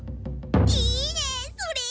いいねそれ。